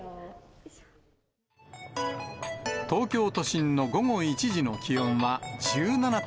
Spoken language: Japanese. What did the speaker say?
東京都心の午後１時の気温は１７．６度。